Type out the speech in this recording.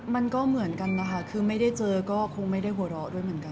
มันก็เหมือนกันนะคะคือไม่ได้เจอก็คงไม่ได้หัวเราะด้วยเหมือนกัน